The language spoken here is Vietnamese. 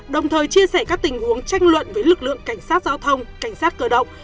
đồng thời chia sẻ các tình huống tranh luận với lực lượng cảnh sát giao thông cảnh sát cơ động